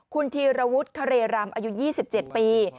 คุณธีรวุฒิคาเรรำอายุ๒๗ปี